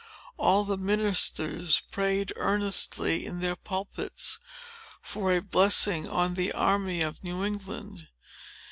All the ministers prayed earnestly, in their pulpits, for a blessing on the army of New England.